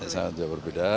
sangat jauh berbeda